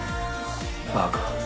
バカ。